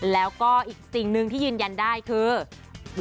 แล้วก็อีกสิ่งหนึ่งที่ยืนยันได้คือ